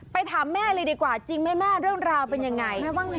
ไปถามแม่เลยดีกว่าจริงแม่เรื่องราวเป็นอย่างไร